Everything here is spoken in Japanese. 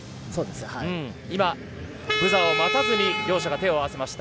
今、ブザーを待たずに両者が手を合わせました。